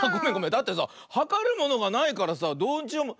だってさはかるものがないからさどうしようも。